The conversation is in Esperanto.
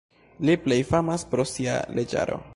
Li plej famas pro sia leĝaro.